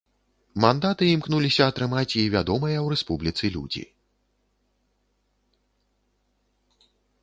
Мандаты імкнуліся атрымаць і вядомыя ў рэспубліцы людзі.